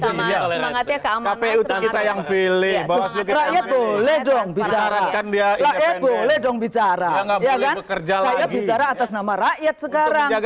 semangatnya keamanan kita yang pilih boleh dong bicara boleh dong bicara nama rakyat sekarang